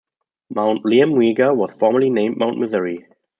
Mount Liamuiga was formerly named Mount Misery.